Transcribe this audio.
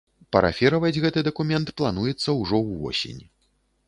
Парафіраваць гэты дакумент плануецца ўжо ўвосень.